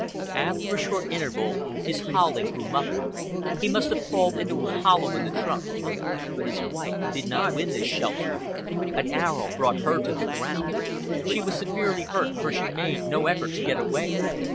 After a short interval his howling grew muffled. He must have crawled into a hollow in the trunk. But his wife did not win this shelter. An arrow brought her to the ground. She was severely hurt, for she made no effort to get away.